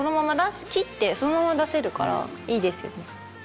切ってそのまま出せるからいいですよね。